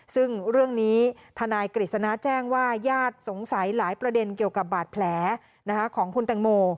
ซึ่งเรื่องนี้ทนายกฤษณะแจ้งว่าญาติสงสัยหลายประเด็นเกี่ยวกับบาดแผลของคุณแตงโม